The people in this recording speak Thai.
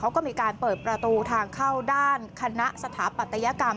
เขาก็มีการเปิดประตูทางเข้าด้านคณะสถาปัตยกรรม